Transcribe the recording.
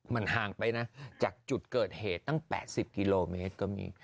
มันห่างไปนะจากจุดเกิดเหตุตั้ง๘๐กิโลเมตรก็มี